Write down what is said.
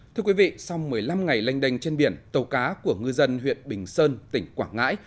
thưa quý vị sau một mươi năm ngày lênh đênh trên biển tàu cá của ngư dân huyện bình sơn tỉnh quảng ngãi